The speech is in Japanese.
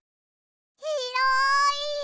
ひろい！